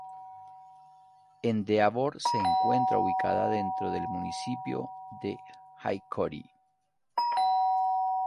Endeavor se encuentra ubicada dentro del municipio de Hickory.